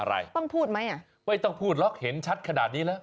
อะไรไม่ต้องพูดหรอกเห็นชัดขนาดนี้แล้ว